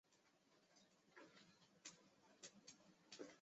有一子。